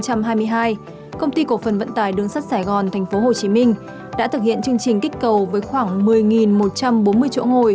công ty cổ phần vận tải đứng sắt sài gòn tp hcm đã thực hiện chương trình kích cầu với khoảng một mươi một trăm bốn mươi chỗ ngồi